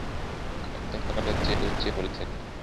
কাপ্তেন সকলের চেয়ে উঁচিয়ে বলছেন।